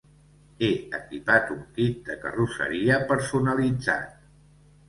He equipat un kit de carrosseria personalitzat.